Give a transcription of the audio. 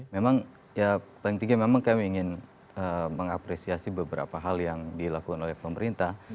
memang ya paling tiga memang kami ingin mengapresiasi beberapa hal yang dilakukan oleh pemerintah